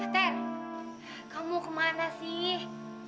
teri kamu kemana sih